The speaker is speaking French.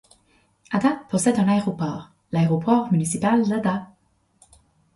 Ada possède un aéroport, l'aéroport municipal d'Ada.